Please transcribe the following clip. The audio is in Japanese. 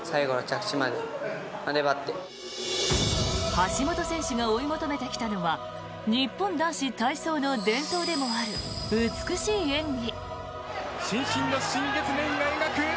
橋本選手が追い求めてきたのは日本男子体操の伝統でもある美しい演技。